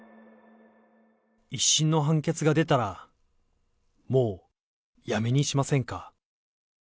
一審の判決が出たら、もうやめにしませんか。